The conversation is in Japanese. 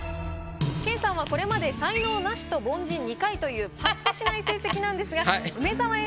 研さんはこれまで才能ナシと凡人２回というパッとしない成績なんですが。